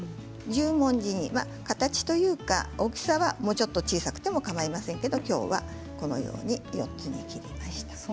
十文字に、形というか大きさはもうちょっと小さくてもかまいませんけどもきょうはこのように４つに切りました。